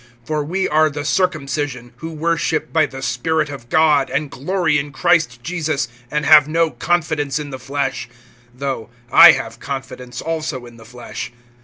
(3)For we are the circumcision, who worship by the Spirit of God, and glory in Christ Jesus, and have no confidence in the flesh. (4)Though I have confidence also in the flesh.